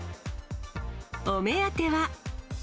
お目当ては。